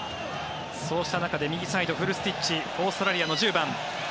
そうした中で右サイドフルスティッチオーストラリアの１０番。